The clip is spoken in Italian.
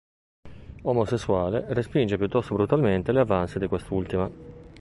Omosessuale, respinge piuttosto brutalmente le avances di quest'ultima.